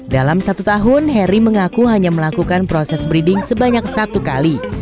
dalam satu tahun heri mengaku hanya melakukan proses breeding sebanyak satu kali